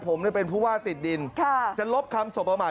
ผมเป็นผู้ว่าติดดินจะลบคำสบประมาท